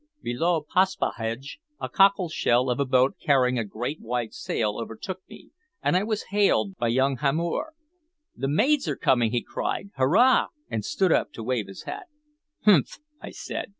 Below Paspahegh a cockleshell of a boat carrying a great white sail overtook me, and I was hailed by young Hamor. "The maids are come!" he cried. "Hurrah!" and stood up to wave his hat. "Humph!" I said.